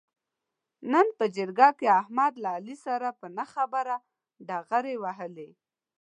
نن په جرګه کې احمد له علي سره په نه خبره ډغرې و وهلې.